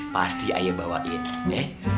pasti ayah bawain